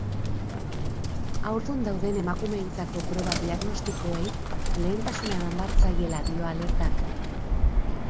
Haurdun dauden emakumeentzako proba diagnostikoei lehentasuna eman behar zaiela dio alertak.